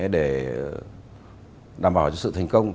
để đảm bảo cho sự thành công